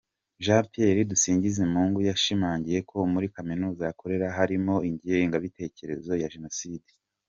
Jean Pierre Dusingizemungu, yashimangiye ko muri Kaminuza akoramo harimo ingengabitekerezo ya Jenoside.